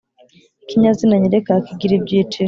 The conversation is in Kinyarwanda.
ikinyazina nyereka kigira ibyiciro